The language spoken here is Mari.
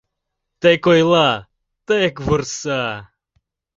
Тек ойла, тек вурса!